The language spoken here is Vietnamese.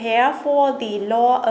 trong những năm qua